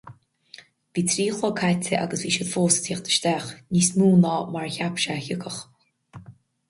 Bhí trí a chlog caite agus bhí siad fós ag teacht isteach, níos mó ná mar a cheap sé a thiocfadh.